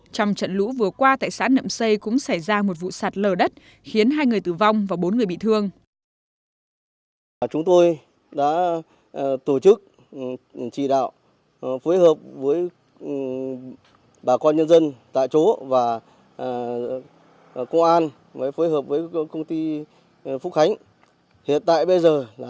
trong trận lũ vừa qua tại xã nậm xây cũng xảy ra một vụ sạt lờ đất khiến hai người tử vong và bốn người bị thương